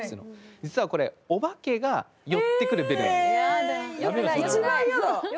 実はこれお化けが寄ってくるベルなんです。